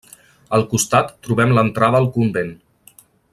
Al costat trobem l'entrada al convent.